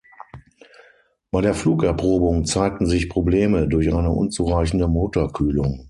Bei der Flugerprobung zeigten sich Probleme durch eine unzureichende Motorkühlung.